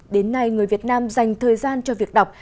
đến nay người việt nam dành thời gian cho việc đọc